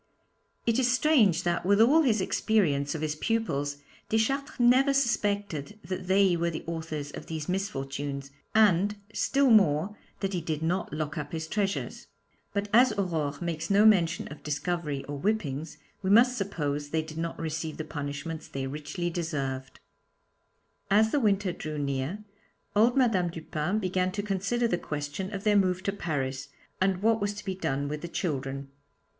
It is strange that, with all his experience of his pupils, Deschartres never suspected that they were the authors of these misfortunes, and, still more, that he did not lock up his treasures. But as Aurore makes no mention of discovery or whippings, we must suppose they did not receive the punishments they richly deserved. As the winter drew near, old Madame Dupin began to consider the question of their move to Paris, and what was to be done with the children.